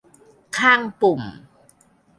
ข้างปุ่ม